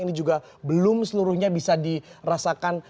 ini juga belum seluruhnya bisa dirasakan